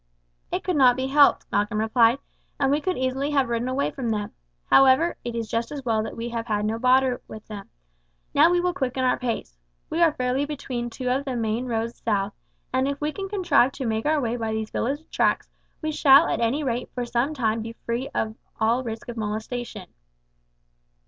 "It could not be helped," Malcolm replied, "and we could easily have ridden away from them. However, it is just as well that we have had no bother with them. Now we will quicken our pace. We are fairly between two of the main roads south, and if we can contrive to make our way by these village tracks we shall at any rate for some time be free from all risk of molestation."